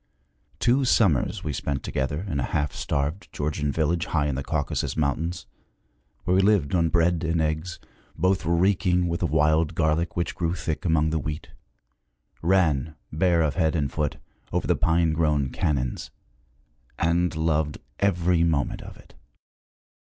Two summers we spent together in a half starved Georgian village high in the Caucasus Mountains, where we lived on bread and eggs, both reeking with the wild garlic which grew thick among the wheat; ran, bare of head and foot, over the pine grown canons; and loved every moment of it.